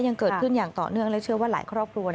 ยังเกิดขึ้นอย่างต่อเนื่องและเชื่อว่าหลายครอบครัว